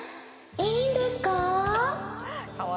いいんですか？